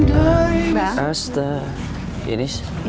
bukankah aku mau ulang waktu hilang dan terbuang